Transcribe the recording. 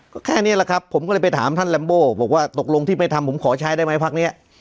ก็แค่นี้แหละครับผมก็เลยไปถามท่านลัมโบบอกว่าตกลงที่ไปทำผมขอใช้ได้ไหมพักนี้